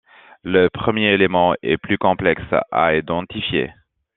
Le premier élément est plus complexe à identifier.